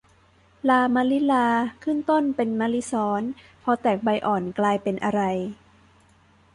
ลามะลิลา ขึ้นต้นเป็นมะลิซ้อน พอแตกใบอ่อน กลายเป็นอะไร